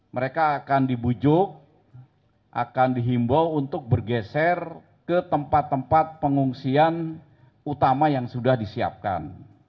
mereka akan dibujuk akan dihimbau untuk bergeser ke tempat tempat pengungsian utama yang sudah disiapkan